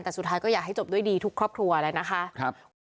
แต่สุดท้ายก็อยากให้จบด้วยดีทุกครอบครัวแล้วนะคะ